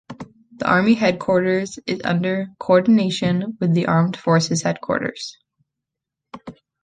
The army headquarters is under coordination with the armed force Headquarters.